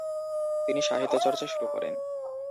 তিনি সাহিত্য চর্চা শুরু করেন।